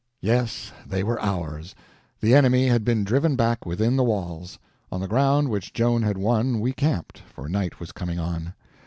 Yes, they were ours; the enemy had been driven back within the walls. On the ground which Joan had won we camped; for night was coming on.